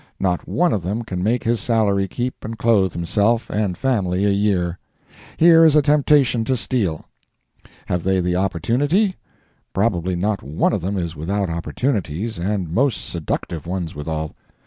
Not one of them can make his salary keep and clothe himself and family a year. Here is a temptation to steal. Have they the opportunity? Probably not one of them is without opportunities, and most seductive ones withal.